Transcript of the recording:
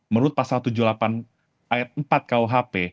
menurut pasal tujuh puluh delapan ayat empat kuhp